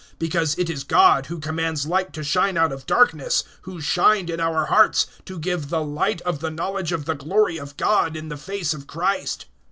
(6)Because it is God, who commands light to shine out of darkness; who shined in our hearts, to give the light of the knowledge of the glory of God in the face of Christ.